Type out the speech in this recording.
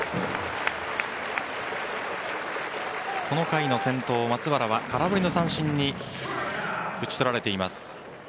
この回の先頭、松原は空振り三振に打ち取られています。